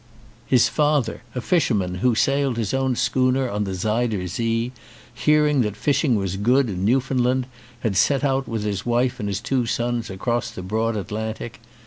His father, a fisherman who sailed his own schooner on the Zuyder Zee, hearing that fishing was good in Newfoundland, had set out with his wife and his two sons across the broad Atlantic.